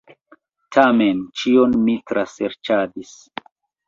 Tamen ĉion mi traserĉadis.